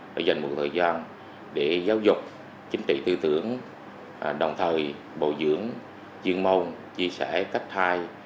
đã dành một thời gian để giáo dục chính trị tư tưởng đồng thời bồi dưỡng chuyên môn chia sẻ cách thai